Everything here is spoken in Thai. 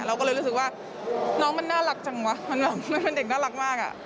เราก็เลยรู้สึกว่าน้องมันน่ารักจังวะมันแบบมันเป็นเด็กน่ารักมากอะ